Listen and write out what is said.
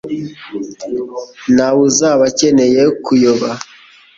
nta wuzaba akeneye kuyoba,